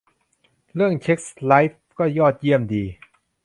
เรื่องเซ็กส์ไลฟ์ก็ยอดเยี่ยมดี